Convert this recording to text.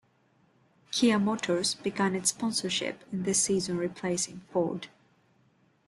Kia Motors began its sponsorship in this season replacing Ford.